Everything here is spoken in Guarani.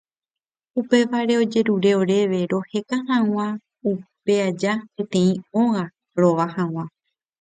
Upévare ojerure oréve roheka hag̃ua upe aja peteĩ óga rova hag̃ua.